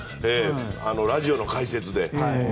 ラジオの解説で。